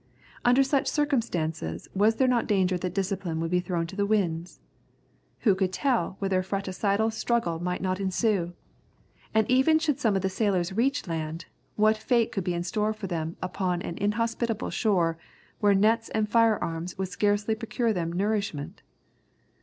Under such circumstances was there not danger that discipline would be thrown to the winds? Who could tell whether a fratricidal struggle might not ensue? And even should some of the sailors reach land, what fate could be in store for them upon an inhospitable shore, where nets and fire arms would scarcely procure them nourishment?